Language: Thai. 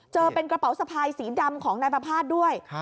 เจอเป็นกระเป๋าสะพายสีดำของนายประภาษณ์ด้วย